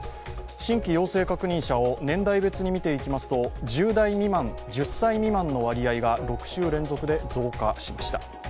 新規陽性確認者を年代別に見ていきますと１０歳未満の割合が６週連続で増加しました。